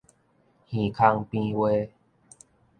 耳口邊話